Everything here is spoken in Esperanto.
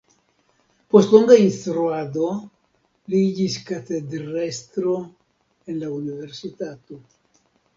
Post longa instruado li iĝis katedrestro en la universitato.